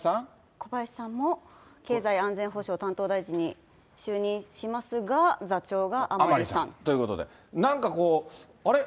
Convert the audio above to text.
小林さんも経済安全保障担当大臣に就任しますが、座長が甘利ということで、なんか、あれ？